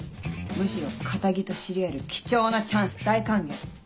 むしろ堅気と知り合える貴重なチャンス大歓迎。